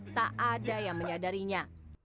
tak ada yang menyadarinya